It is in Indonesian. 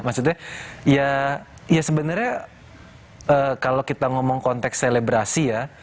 maksudnya ya sebenarnya kalau kita ngomong konteks selebrasi ya